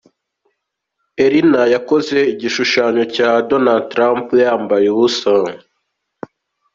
Illma yakoze igishushanyo cya Donald Trump yambaye ubusa.